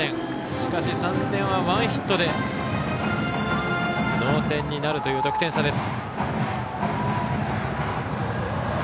しかし３点はワンヒットで同点になるという得点差です。